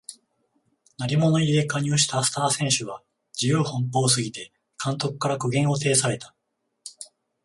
鳴り物入りで加入したスター選手が自由奔放すぎて監督から苦言を呈された